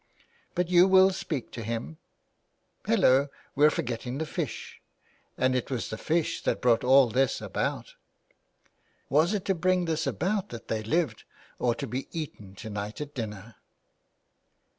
" But you will speak to him. Hello ! we're forgetting the fish, and it was the fish that brought all this about. 321 X THE WILD GOOSE. Was it to bring this about that they lived or to be eaten to night at dinner